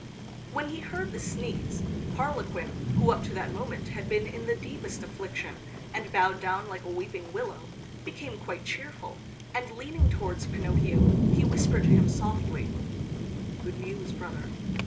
When he heard the sneeze, Harlequin, who up to that moment had been in the deepest affliction, and bowed down like a weeping willow, became quite cheerful, and leaning towards Pinocchio he whispered to him softly: "Good news, brother.